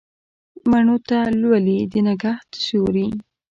مڼو ته لولي د نګهت سیوري